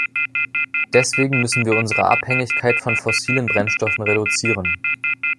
Deswegen müssen wir unsere Abhängigkeit von fossilen Brennstoffen reduzieren.